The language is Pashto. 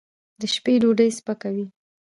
د شپې ډوډۍ سپکه وي.